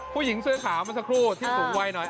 ผู้หญิงเสื้อขาวเมื่อสักครู่ที่สูงวัยหน่อย